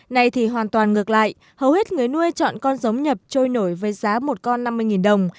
này thì hoàn toàn ngược lại hầu hết người nuôi chọn con giống nhập trôi nổi với giá một con năm mươi đồng